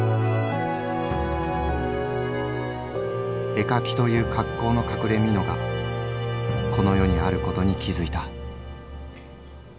「絵描きという格好の隠れ蓑がこの世にあることに気付いた」。